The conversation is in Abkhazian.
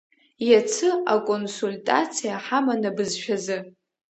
Иацы аконсультациа ҳаман абызшәазы.